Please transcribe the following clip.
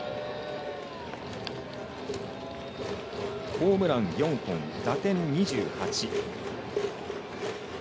ホームラン４本、打点２８。